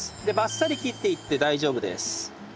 でバッサリ切っていって大丈夫です。